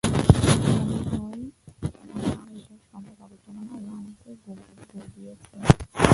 মনে হয় না আমার দ্বারা এটা সম্ভব হবে কেননা ওরা আমাকে ঘুমের বড়ি দিয়েছে।